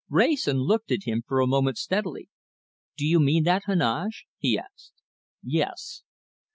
Wrayson looked at him for a moment steadily. "Do you mean that, Heneage?" he asked. "Yes!"